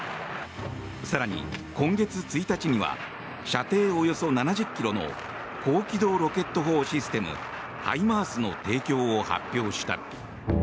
更に、今月１日には射程およそ７０ｋｍの高機動ロケット砲システムハイマースの提供を発表した。